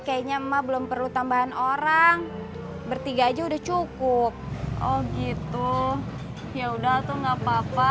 kayaknya emak belum perlu tambahan orang bertiga aja udah cukup oh gitu ya udah tuh nggak papa